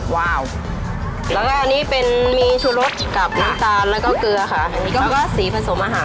แล้วก็สีผสมอาหาร